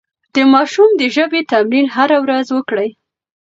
د ماشوم د ژبې تمرين هره ورځ وکړئ.